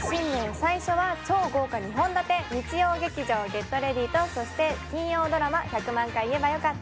最初は超豪華２本立て日曜劇場「ＧｅｔＲｅａｄｙ！」とそして金曜ドラマ「１００万回言えばよかった」